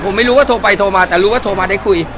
ผมไม่รู้ว่าโทรไปโทรมาแต่รู้ว่าโทรมาได้คุย